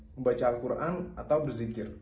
membaca al quran atau berzikir